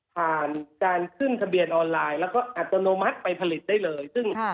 ผ่านการขึ้นทะเบียนออนไลน์แล้วก็อัตโนมัติไปผลิตได้เลยซึ่ง